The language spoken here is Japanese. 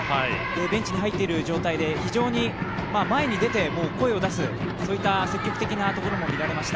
ベンチに入っている状態で前に出て声を出す積極的なところが見られました。